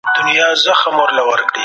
له خپلو ميرمنو سره معروف معاشرت کوئ.